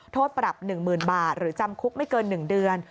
โทษปรับ๑๐๐๐บาทหรือจำคุกไม่เกิน๑เดือน